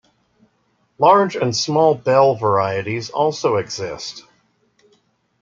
Large and small bell varieties also exist.